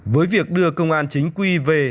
với việc đưa công an chính quy về